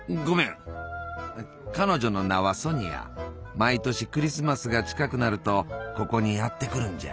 毎年クリスマスが近くなるとここにやって来るんじゃ。